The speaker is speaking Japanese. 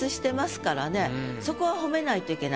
そこは褒めないといけない。